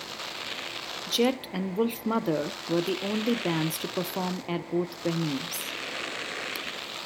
Jet and Wolfmother were the only bands to perform at both venues.